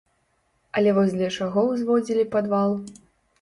Але вось для чаго ўзводзілі падвал?